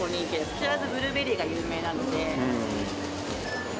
木更津はブルーベリーが有名なので。